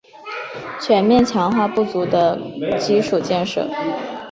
全面强化不足的基础建设